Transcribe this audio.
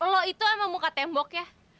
lo itu emang muka tembok ya